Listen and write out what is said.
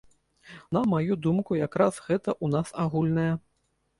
На маю думку якраз гэта ў нас агульнае.